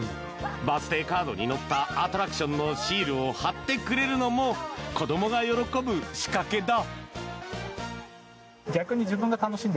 バースデーカードに乗ったアトラクションのシールを貼ってくれるのも子どもが喜ぶ仕掛けだ。